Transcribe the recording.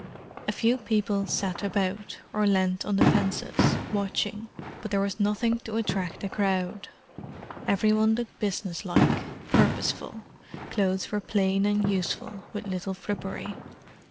A few people sat about, or leaned on the fences, watching; but there was nothing to attract a crowd. Every one looked business like, purposeful; clothes were plain and useful, with little frippery.